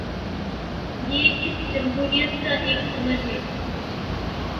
یہ اس جمہوریت کا ایک ثمر ہے۔